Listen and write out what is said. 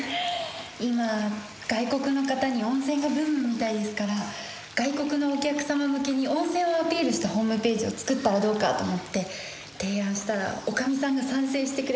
今外国の方に温泉がブームみたいですから外国のお客様向けに温泉をアピールしたホームページを作ったらどうかと思って提案したら女将さんが賛成してくれて。